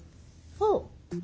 あっ。